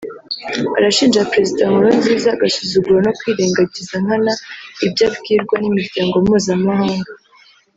arashinja Perezida Nkurunziza agasuzuguro no kwirengagiza nkana ibyo abwirwa n’imiryango mpuzamahanga